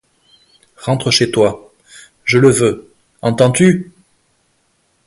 Rentre chez toi, je le veux, entends-tu !